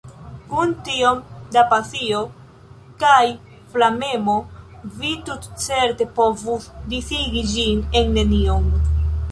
Kun tiom da pasio kaj flamemo, vi tutcerte povus disigi ĝin en nenion.